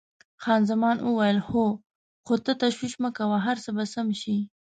خان زمان وویل: هو، خو ته تشویش مه کوه، هر څه به سم شي.